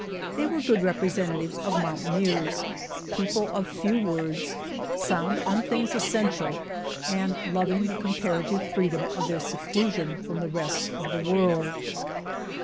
They were good representatives of mountaineers, people of few words, sound on things essential, and loving the comparative free 189 The Morena dora of their seclusion from the rest of the world.